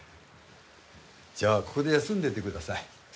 じゃあここで休んでてください。